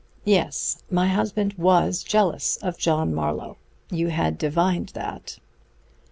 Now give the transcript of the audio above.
Yes; my husband was jealous of John Marlowe; you had divined that.